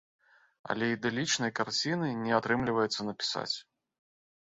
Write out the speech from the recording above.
Але ідылічнай карціны не атрымліваецца напісаць.